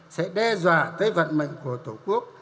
sẽ đe dọa tới vận mệnh của tổ quốc